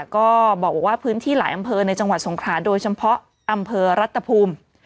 ก็บอกว่าพื้นที่หลายอำเภอในจังหวัดสงขราโดยเฉพาะอำเภอรัฐภูมิ